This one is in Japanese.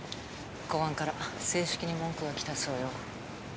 公安から正式に文句が来たそうよ。